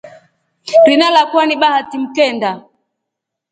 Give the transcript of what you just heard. Rina lakwa ni Bahati mkenda.